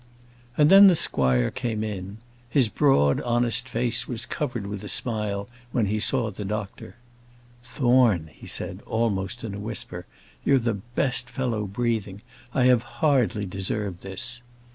And then the squire came in. His broad, honest face was covered with a smile when he saw the doctor. "Thorne," he said, almost in a whisper, "you're the best fellow breathing; I have hardly deserved this."